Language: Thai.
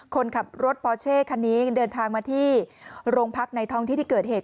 คนขับรถปอเช่คันนี้เดินทางมาที่โรงพักในท้องที่ที่เกิดเหตุ